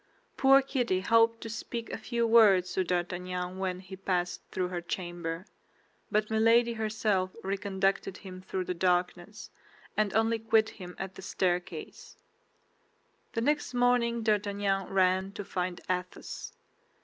Poor Kitty hoped to speak a few words to D'Artagnan when he passed through her chamber; but Milady herself reconducted him through the darkness, and only quit him at the staircase. The next morning D'Artagnan ran to find Athos.